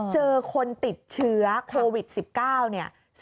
เจอคนติดเชื้อโควิด๑๙๑๓คน